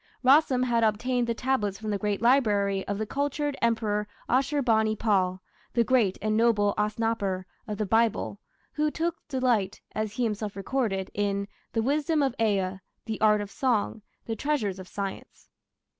Rassam had obtained the tablets from the great library of the cultured Emperor Ashur bani pal, "the great and noble Asnapper" of the Bible, who took delight, as he himself recorded, in The wisdom of Ea, the art of song, the treasures of science.